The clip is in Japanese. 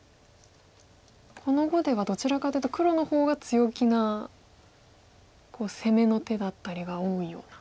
この碁ではどちらかというと黒の方が強気な攻めの手だったりが多いような。